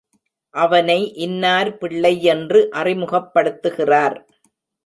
அவனை இன்னார் பிள்ளையென்று அறிமுகப்படுத்துகிறார்.